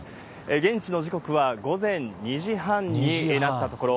現地の時刻は午前２時半になったところ。